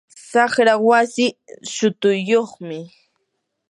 saqra wasii shutuyyuqmi.